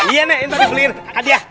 iya nek ini tadi beliin hadiah